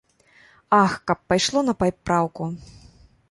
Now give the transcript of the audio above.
Ах, каб пайшло на папраўку.